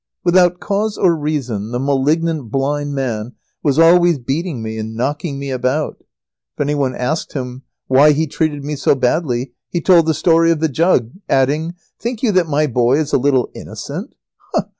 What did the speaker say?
Without cause or reason, the malignant blind man was always beating me and knocking me about. If any one asked him why he treated me so badly, he told the story of the jug, adding: "Think you that my boy is a little innocent?